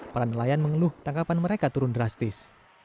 para nelayan mengeluh tangkapan mereka turun drastis